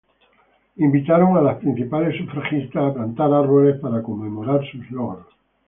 Invitaron a las principales sufragistas a plantar árboles para conmemorar sus logros.